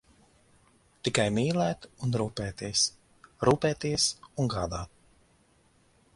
Tikai mīlēt un rūpēties, rūpēties un gādāt.